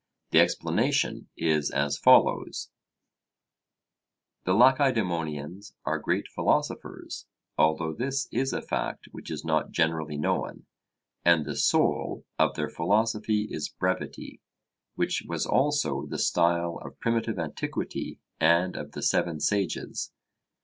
The explanation is as follows: The Lacedaemonians are great philosophers (although this is a fact which is not generally known); and the soul of their philosophy is brevity, which was also the style of primitive antiquity and of the seven sages.